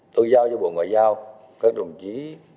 tôi giao cho bộ ngoại giao các đồng chí